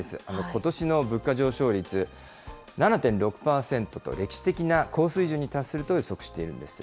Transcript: ことしの物価上昇率、７．６％と歴史的な高水準に達すると予測しているんです。